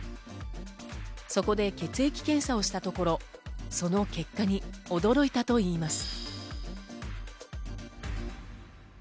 そこで血液検査をしたところ、その結果に驚いたといいます。